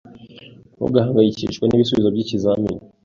Ntugahangayikishwe n'ibisubizo by'ikizamini.